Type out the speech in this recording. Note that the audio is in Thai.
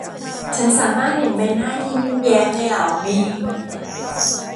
ฉันสามารถเห็นใบหน้าที่ยิ้มแย้มในเหล่าเมฆ